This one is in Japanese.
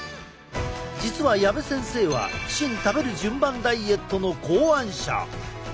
実は矢部先生はシン食べる順番ダイエットの考案者。